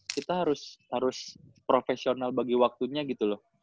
kita harus profesional bagi waktunya gitu loh